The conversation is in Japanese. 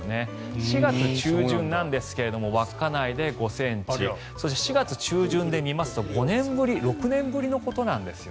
４月中旬なんですが稚内で５ｃｍそして４月中旬で見ますと６年ぶりのことなんです。